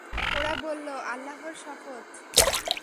ওরা বলল, আল্লাহর শপথ!